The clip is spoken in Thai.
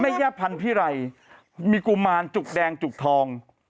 แม่หญ้าพันธุ์พิไรมีกุมารจุกแดงจุกทอง